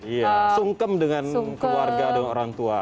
iya sungkem dengan keluarga dan orang tua